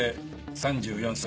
３４歳。